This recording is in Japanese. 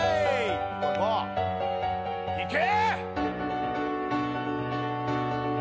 いこういこういけ！